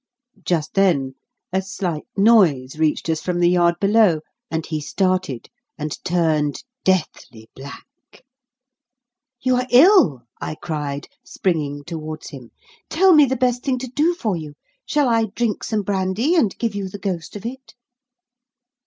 Just then a slight noise reached us from the yard below, and he started and turned deathly black. "You are ill," I cried, springing towards him; "tell me the best thing to do for you. Shall I drink some brandy, and give you the ghost of it?"